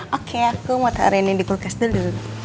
oke aku mau taruh ini di kulkas dulu